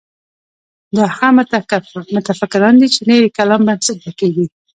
دا هغه متفکران دي چې نوي کلام بنسټ به کېږدي.